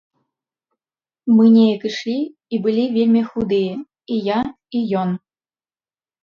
Мы неяк ішлі, і былі вельмі худыя, і я, і ён.